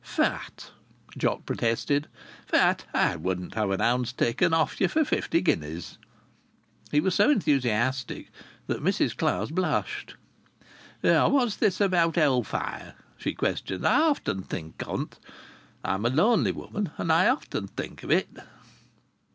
"Fat!" Jock protested. "Fat! I wouldn't have an ounce taken off ye for fifty guineas." He was so enthusiastic that Mrs Clowes blushed. "What's this about hell fire?" she questioned. "I often think of it I'm a lonely woman, and I often think of it."